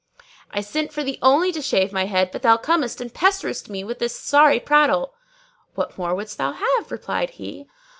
I sent for thee only to shave my head, but thou comest and pesterest me with this sorry prattle." "What more wouldst thou have?" replied he.